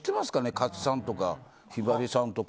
勝さんとか、ひばりさんとか。